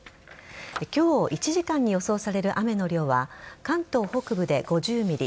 今日１時間に予想される雨の量は関東北部で５０ｍｍ